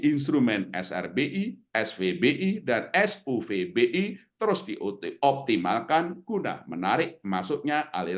instrumen srbi svbi dan suvbi terus dioptimalkan guna menarik masuknya aliran